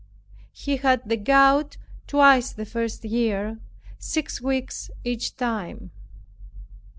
He had the gout twice the first year, six weeks each time.